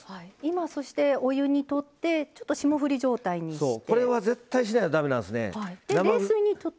そしてお湯にとってちょっと霜降り状態にして。